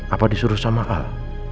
apa disuruh sama al